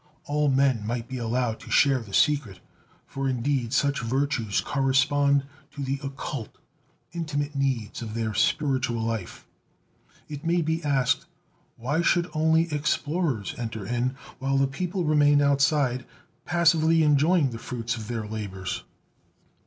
All men might be allowed to share the secret, for indeed such virtues correspond to the "occult," intimate needs of their spiritual life. It may be asked: Why should only explorers enter in, while the people remain outside, passively enjoying the fruits of their labors?